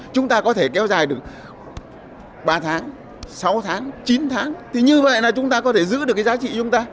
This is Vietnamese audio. chúng ta có thể kéo dài được ba tháng sáu tháng chín tháng thì như vậy là chúng ta có thể giữ được cái giá trị chúng ta